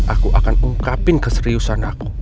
aku akan ungkapin keseriusan aku